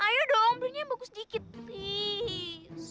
ayo dong beli yang bagus sedikit please